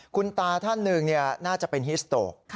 คุณตาท่านหนึ่งน่าจะเป็นฮิสโตรก